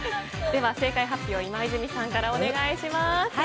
では、正解発表今泉さんからお願いします。